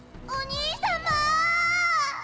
おにいさま！